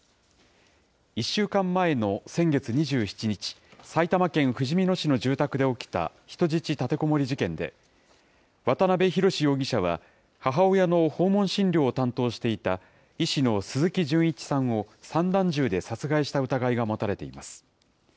１週間前の先月２７日、埼玉県ふじみ野市の住宅で起きた人質立てこもり事件で、渡邊宏容疑者は、母親の訪問診療を担当していた医師の鈴木純一さんを散弾銃で殺害した疑いが持たれています。